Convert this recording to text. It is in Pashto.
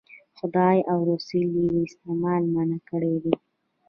خدای او رسول یې استعمال منع کړی دی.